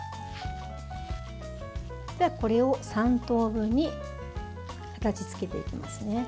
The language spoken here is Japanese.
これを３等分に形付けていきますね。